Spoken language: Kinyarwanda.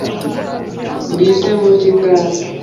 bwite mu by inganda